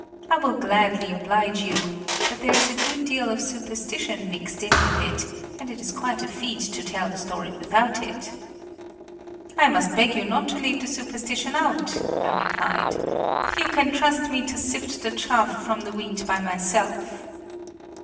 "I will gladly oblige you; but there is a good deal of superstition mixed in with it, and it is quite a feat to tell the story without it." "I must beg you not to leave the superstition out," I replied. "You can trust me to sift the chaff from the wheat by myself!"